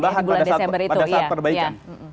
tambahan pada saat perbaikan